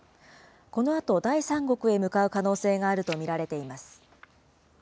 このあと、第三国へ向かう可能性があると見られています。